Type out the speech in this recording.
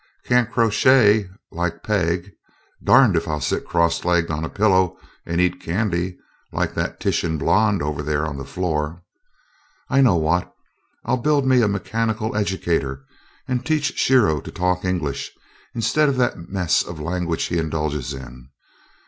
Can't crochet, like Peg. Darned if I'll sit cross legged on a pillow and eat candy, like that Titian blonde over there on the floor. I know what I'll build me a mechanical educator and teach Shiro to talk English instead of that mess of language he indulges in.